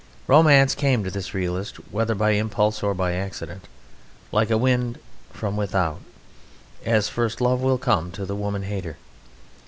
Romance came to this realist, whether by impulse or by accident, like a wind from without, as first love will come to the woman hater.